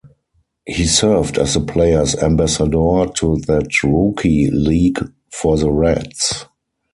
He served as the Players Ambassador to that Rookie League for the Reds.